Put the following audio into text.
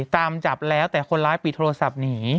ตามจับแล้วแต่คนร้ายปิดโทรศัพท์หนี